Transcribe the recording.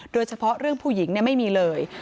โดยเฉพาะเรื่องผู้หญิงไม่มีเลย